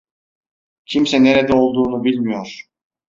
Kimse nerede olduğunu bilmiyor.